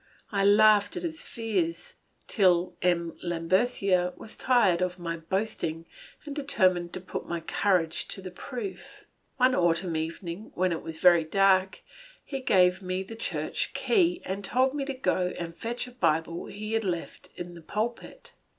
I laughed at his fears, till M. Lambercier was tired of my boasting, and determined to put my courage to the proof. One autumn evening, when it was very dark, he gave me the church key, and told me to go and fetch a Bible he had left in the pulpit.